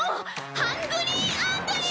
ハングリーアングリー！